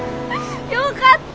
よかった！